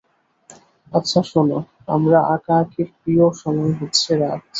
আচ্ছা, শোনো, আমার আঁকাআঁকির প্রিয় সময় হচ্ছে রাতে।